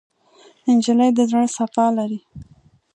نجلۍ د زړه صفا لري.